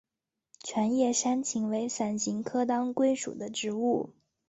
全叶山芹为伞形科当归属的植物。